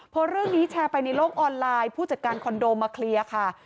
พอเรื่องนี้แชร์ไปในโลกออนไลน์ผู้จัดการคอนโดมาเคลียร์ค่ะ